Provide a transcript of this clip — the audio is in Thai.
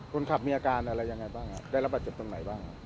คนขับมีอาการอะไรยังไงบ้างได้รับบาดเจ็บตรงไหนบ้าง